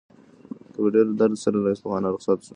هغه په ډېر درد سره له اصفهانه رخصت شو.